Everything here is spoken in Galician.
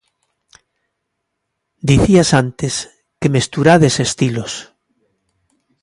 Dicías antes que mesturades estilos.